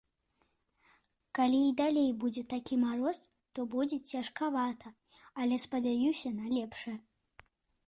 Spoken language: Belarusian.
Калі і далей будзе такі мароз, то будзе цяжкавата, але спадзяюся на лепшае.